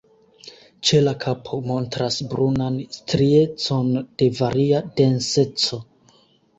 Ĉe la kapo montras brunan striecon de varia denseco.